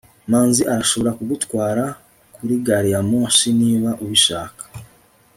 manzi arashobora kugutwara kuri gari ya moshi niba ubishaka